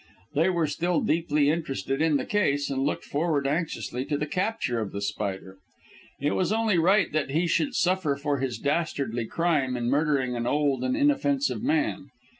They were still deeply interested in the case and looked forward anxiously to the capture of The Spider. It was only right that he should suffer for his dastardly crime in murdering an old and inoffensive man.